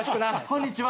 こんにちは。